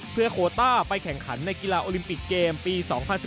เพื่อโคต้าไปแข่งขันในกีฬาโอลิมปิกเกมปี๒๐๑๙